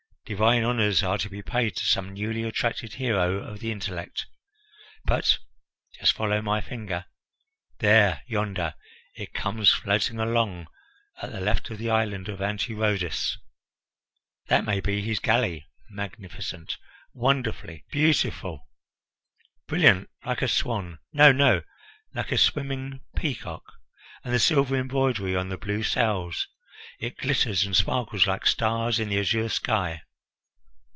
Divine honours are to be paid to some newly attracted hero of the intellect. But just follow my finger! There yonder it comes floating along at the left of the island of Antirrhodus. That may be his galley! Magnificent! Wonderfully beautiful! Brilliant! Like a swan! No, no, like a swimming peacock! And the silver embroidery on the blue sails! It glitters and sparkles like stars in the azure sky."